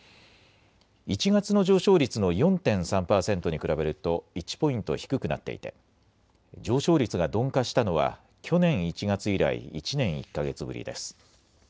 １月の上昇率の４．３％に比べると１ポイント低くなっていて上昇率が鈍化したのは去年１月以来１年１か月ぶりです。